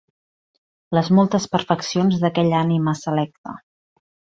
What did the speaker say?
Les moltes perfeccions d'aquella ànima selecta.